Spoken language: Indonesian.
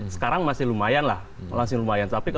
sekarang masih lumayan lah masih lumayan